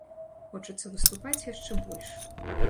Хочацца выступаць яшчэ больш.